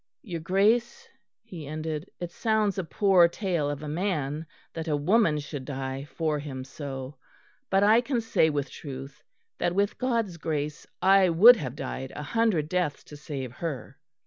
"Your Grace," he ended, "it sounds a poor tale of a man that a woman should die for him so; but I can say with truth that with God's grace I would have died a hundred deaths to save her."